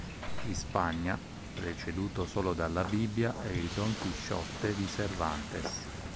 In Spagna preceduto solo dalla "Bibbia" e il "Don Chisciotte" di Cervantes.